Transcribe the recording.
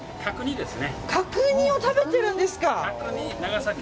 角煮を食べているんですか。